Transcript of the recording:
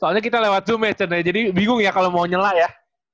soalnya kita lewat zoom ya jadi bingung ya kalo mau nyela ya